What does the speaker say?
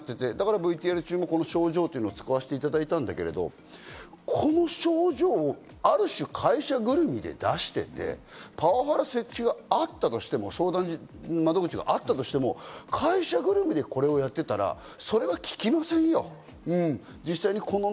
この症状になっていて、ＶＴＲ中もこの症状を使わせていただいたんだけど、この症状をある種、会社ぐるみで出していて、パワハラ設置があったとしても相談窓口があったとしても、会社ぐるみでこれをやっていたら、それはききませんよ。